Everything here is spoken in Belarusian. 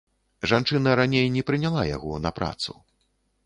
Жанчына раней не прыняла яго на працу.